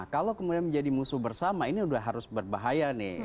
kalau kemudian menjadi musuh bersama ini sudah harus berbahaya nih